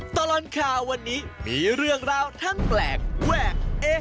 ตลอดข่าววันนี้มีเรื่องราวทั้งแปลกแวกเอ๊